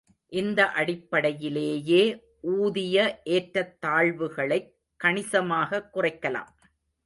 இந்த அடிப்படையிலேயே ஊதிய ஏற்றத் தாழ்வுகளைக் கணிசமாகக் குறைக்கலாம்.